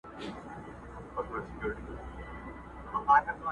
دا به شیطان وي چي د شپې بشر په کاڼو ولي٫